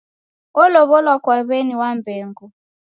Olow'olwa kwa w'eni Wambengo.